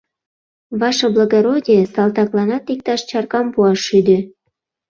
Ваше благородие, салтакланат иктаж чаркам пуаш шӱдӧ.